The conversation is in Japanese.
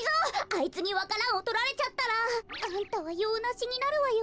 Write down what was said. あいつにわか蘭をとられちゃったらあんたはようなしになるわよ。